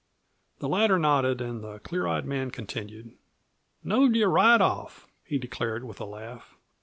The latter nodded, and the clear eyed man continued. "Knowed you right off," he declared, with a laugh.